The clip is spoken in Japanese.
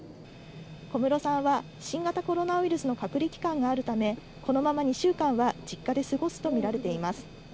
小室さんは新型コロナウイルスの隔離期間があるため、このまま２週間は実家で過ごすと見られています。